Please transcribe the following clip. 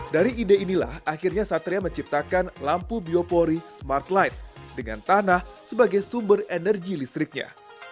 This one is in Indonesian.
dari ide inilah akhirnya satria menciptakan lampu biopori smart light dengan tanah sebagai sumber energi listriknya